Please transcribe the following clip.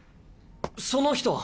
その人は？